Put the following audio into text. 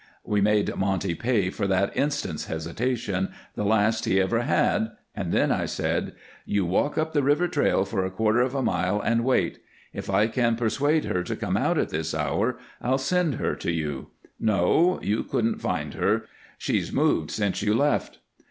We made Monty pay for that instant's hesitation, the last he ever had, and then I said: "You walk up the river trail for a quarter of a mile and wait. If I can persuade her to come out at this hour I'll send her to you. No, you couldn't find her. She's moved since you left."